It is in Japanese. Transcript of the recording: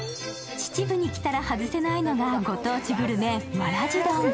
秩父に来たら外せないのが、ご当地グルメ、わらじ丼。